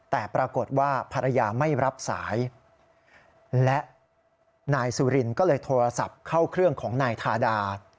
แต่ปรากฏว่าภรรยาไม่รับสายและนายสุรินก็เลยโทรศัพท์เข้าเครื่องของนายทาดา